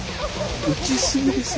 撃ち過ぎですよ。